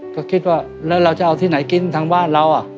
ก็คิดว่าแล้วเราจะเอาที่ไหนกินทางบ้านเรา